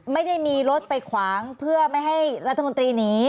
ไม่ได้มีรถไปขวางเพื่อไม่ให้รัฐมนตรีหนี